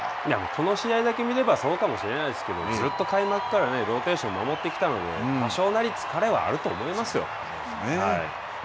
この試合だけ見ればそうかもしれないですけどずっと開幕からローテーションを守ってきたので、多少なり疲れはあると思いますよ。